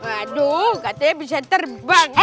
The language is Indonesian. aduh katanya bisa terbang